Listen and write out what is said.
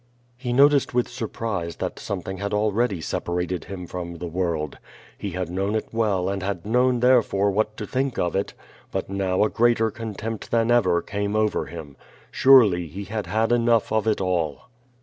He noticed with surprise that something had already sep arated him from the worid. He had known it well and had known therefore what to think of it, but now a greater con tempt than ever came over him. Surely he had had enough of it all!